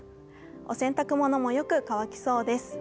お洗濯物もよく乾きそうです。